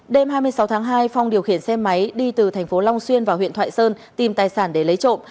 đêm hai mươi sáu tháng hai phong điều khiển xe máy đi từ thành phố long xuyên vào huyện thoại sơn tìm tài sản để lấy trộm